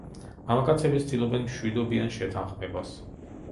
მამაკაცები ცდილობენ მშვიდობიან შეთანხმებას.